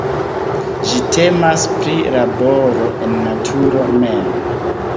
Ĝi temas pri laboro en naturo mem.